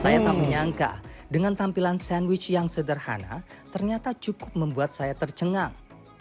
saya tak menyangka dengan tampilan sandwich yang sederhana ternyata cukup membuat saya tercengang